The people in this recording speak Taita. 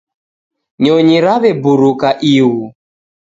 Nyonyi raweburuka ighu.